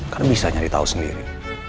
karena bisa nyari tahu sendiri